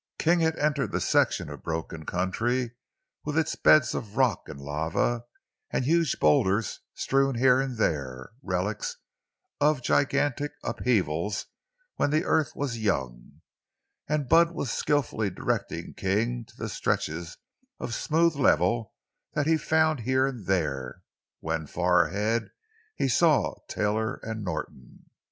King had entered the section of broken country, with its beds of rock and lava, and huge boulders strewn here and there, relics of gigantic upheavals when the earth was young; and Bud was skilfully directing King to the stretches of smooth level that he found here and there, when far ahead he saw Taylor and Norton.